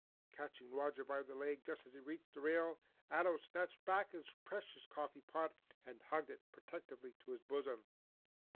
Catching Roger by the leg just as he reached the rail, Ato snatched back his precious coffee pot and hugged it protectively to his bosom.